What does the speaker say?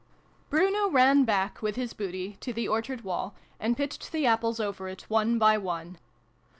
Bruno ran back, with his booty, to the orchard wall, and pitched the apples over it one by one.